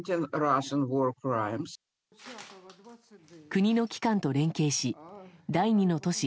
国の機関と連携し第２の都市